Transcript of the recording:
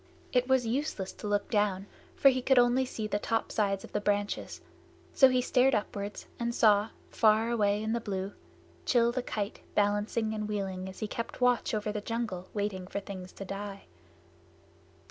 It was useless to look down, for he could only see the topsides of the branches, so he stared upward and saw, far away in the blue, Rann the Kite balancing and wheeling as he kept watch over the jungle waiting for things to die.